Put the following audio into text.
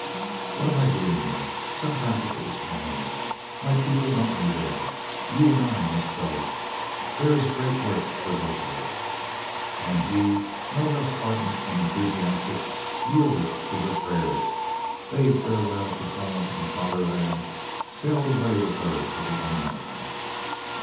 "What am I doing here? South Africa is calling. My people want me there. You and I must go. There is a great work for us both." And he, no less ardent and enthusiastic, yielded to her prayers, bade farewell to home and fatherland, sailed away with her to the unknown.